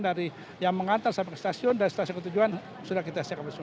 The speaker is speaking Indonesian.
jadi dari yang mengantar sampai ke stasiun dari stasiun ketujuan sudah kita siapkan semua